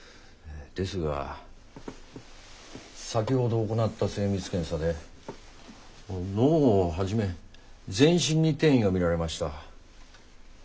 ですが先ほど行った精密検査で脳をはじめ全身に転移が見られました。